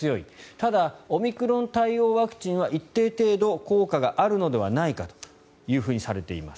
ただ、オミクロン対応ワクチンは一定程度効果があるのではないかとされています。